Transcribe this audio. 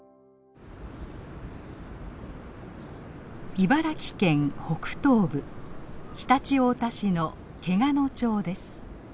茨城県北東部常陸太田市の天下野町です。